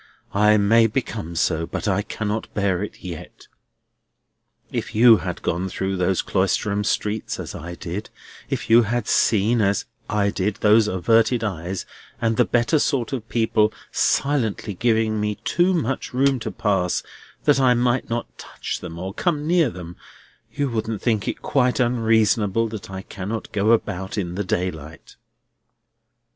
I may become so, but I cannot bear it yet. If you had gone through those Cloisterham streets as I did; if you had seen, as I did, those averted eyes, and the better sort of people silently giving me too much room to pass, that I might not touch them or come near them, you wouldn't think it quite unreasonable that I cannot go about in the daylight."